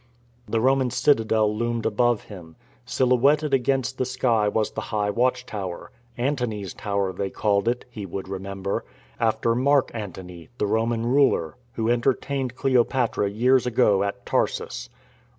The Roman citadel loomed above him. Silhouetted against the sky was the high watch tower — Antony's tower they called it (he would remember), after the Mark Antony, the Roman ruler, who entertained Cle opatra years ago at Tarsus.